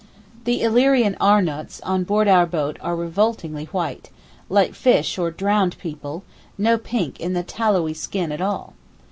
The Illyrian Arnouts on board our boat are revoltingly white—like fish or drowned people, no pink in the tallowy skin at all.